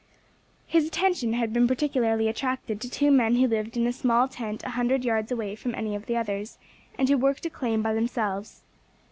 His attention had been particularly attracted to two men who lived in a small tent a hundred yards away from any of the others, and who worked a claim by themselves.